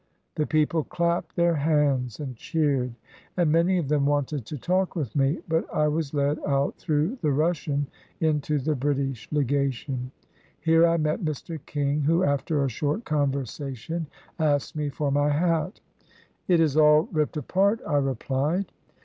The people clapped their hands and cheered, and many of them wanted to talk with me, but I was led out through the Russian into the British Legation. Here I met Mr. King, who after a short conversation asked me for my hat. "It is all ripped apart," I replied.